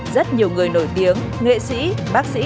rất nhiều người nổi tiếng nghệ sĩ bác sĩ